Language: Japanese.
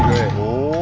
おお。